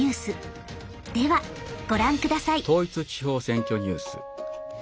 ではご覧ください。